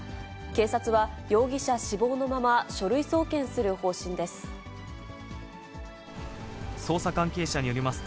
警察は、容疑者死亡のまま書類送検する方針です。